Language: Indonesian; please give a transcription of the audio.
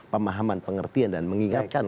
pemahaman pengertian dan mengingatkan